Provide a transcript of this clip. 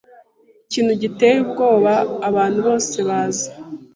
Ikintu giteye ubwoba abantu bose baza